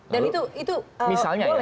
dan itu boleh ya